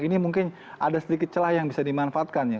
ini mungkin ada sedikit celah yang bisa dimanfaatkan ya